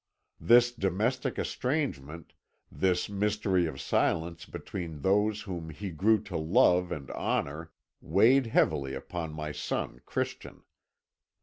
This domestic estrangement, this mystery of silence between those whom he grew to love and honour, weighed heavily upon my son Christian.